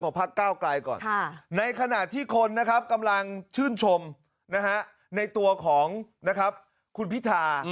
พักเก้าไกลก่อนในขณะที่คนนะครับกำลังชื่นชมในตัวของคุณพิธา